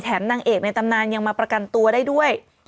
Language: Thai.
นางเอกในตำนานยังมาประกันตัวได้ด้วย